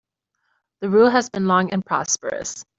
The rule has been long and prosperous.